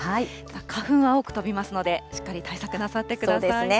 花粉は多く飛びますので、しっかり対策なさってください。